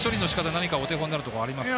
何かお手本になるところありますか？